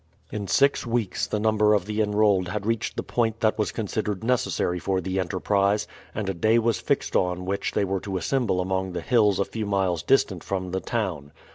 In six weeks the numbers of the enrolled had reached the point that was considered necessary for the enterprise, and a day was fixed on which they were to assemble among the hills a few miles distant from the town.